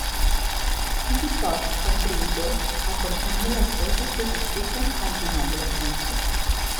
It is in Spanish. Iggy Pop contribuyó aportando las voces que se escuchan al final de la canción.